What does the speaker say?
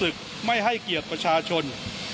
สามความรู้สึกไม่ให้เกียรติประชาชน